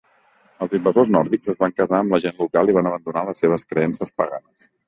Els invasors nòrdics es van casar amb la gent local i van abandonar les seves creences paganes.